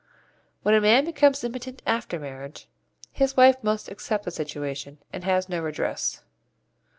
When a man becomes impotent after marriage, his wife must accept the situation, and has no redress.